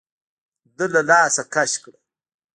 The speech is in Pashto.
ده له لاسه کش کړه.